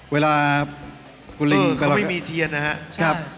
เขาไม่มีเทียนนะฮะ